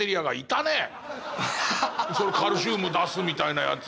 カルシウム出すみたいなやつ。